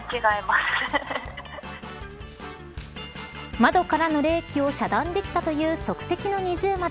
窓からの冷気を遮断できたという即席の二重窓。